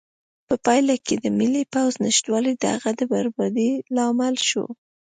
په پایله کې د ملي پوځ نشتوالی د هغه د بربادۍ لامل شو.